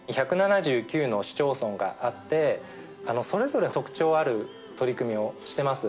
１７９の市町村があって、それぞれ特徴ある取り組みをしてます。